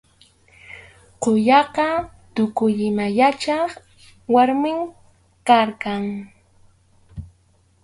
Quyaqa tukuy ima yachaq warmim karqan.